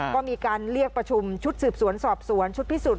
ก็มีการเรียกประชุมชุดสืบสวนสอบสวนชุดพิสูจน